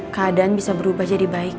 keadaan bisa berubah jadi baik